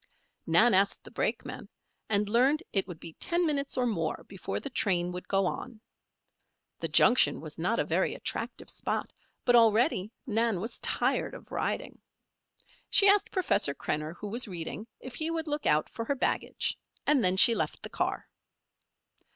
Nan asked the brakeman, and learned it would be ten minutes or more before the train would go on. The junction was not a very attractive spot; but already Nan was tired of riding. She asked Professor Krenner, who was reading, if he would look out for her baggage, and then she left the car.